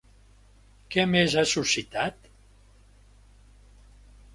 Què més ha suscitat?